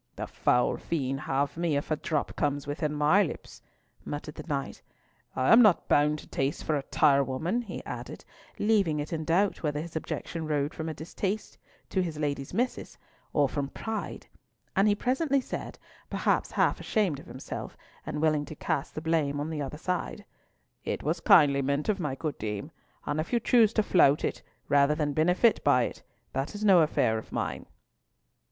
"The foul fiend have me if a drop comes within my lips," muttered the knight. "I am not bound to taste for a tirewoman!" he added, leaving it in doubt whether his objection arose from distaste to his lady's messes, or from pride; and he presently said, perhaps half ashamed of himself, and willing to cast the blame on the other side, "It was kindly meant of my good dame, and if you choose to flout at, rather than benefit by it, that is no affair of mine."